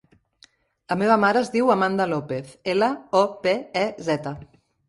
La meva mare es diu Amanda Lopez: ela, o, pe, e, zeta.